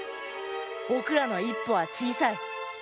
ぼくらの一歩はちいさい。